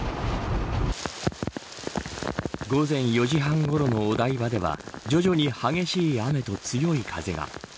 午前４時半ごろのお台場では徐々に激しい雨と強い風が。